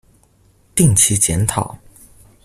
定期檢討